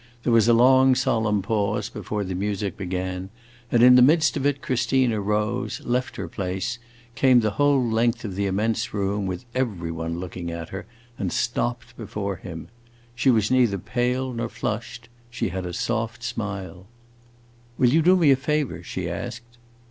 There was a long, solemn pause before the music began, and in the midst of it Christina rose, left her place, came the whole length of the immense room, with every one looking at her, and stopped before him. She was neither pale nor flushed; she had a soft smile. "Will you do me a favor?" she asked.